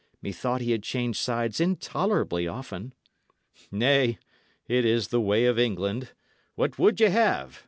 Methought he had changed sides intolerably often." "Nay, it is the way of England. What would ye have?"